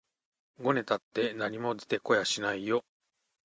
ごねたって何も出て来やしないよ